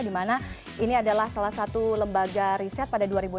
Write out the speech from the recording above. di mana ini adalah salah satu lembaga riset pada dua ribu enam belas